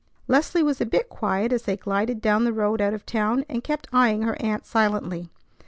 Leslie was a bit quiet as they glided down the road out of town, and kept eyeing her aunt silently.